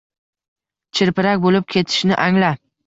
chirpirak bo‘lib ketishini angla